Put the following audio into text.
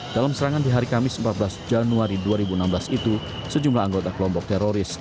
dalam serangan di hari kamis empat belas januari dua ribu enam belas itu sejumlah anggota kelompok teroris